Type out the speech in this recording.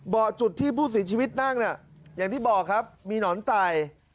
จุดที่ผู้เสียชีวิตนั่งเนี่ยอย่างที่บอกครับมีหนอนไต